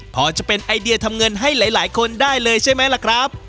พอจะเป็นไอเดียทำเงินให้หลายคนได้เลยใช่ไหมล่ะครับ